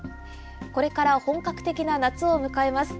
これから本格的な夏を迎えます。